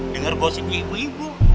dengar gue sih di ibu ibu